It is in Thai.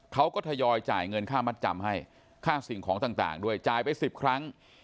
ทยอยจ่ายเงินค่ามัดจำให้ค่าสิ่งของต่างด้วยจ่ายไป๑๐ครั้ง